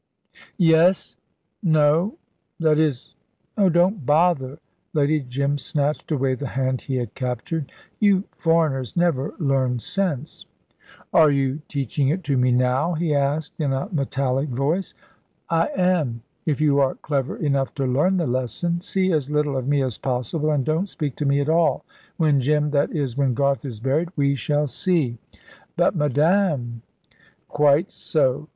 "Yes no that is oh, don't bother"; Lady Jim snatched away the hand he had captured. "You foreigners never learn sense." "Are you teaching it to me now?" he asked in a metallic voice. "I am if you are clever enough to learn the lesson. See as little of me as possible, and don't speak to me at all. When Jim that is, when Garth is buried, we shall see." "But, madame " "Quite so.